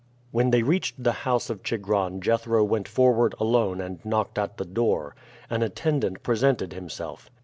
When they reached the house of Chigron Jethro went forward alone and knocked at the door. An attendant presented himself.